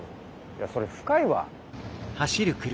いやそれ深いわ。